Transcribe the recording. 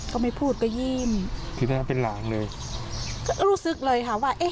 เครื่องมือหลังเจ็บจากขาแหลก